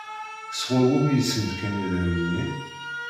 Sɣur wumi i sen-d-kan idrimen-nni?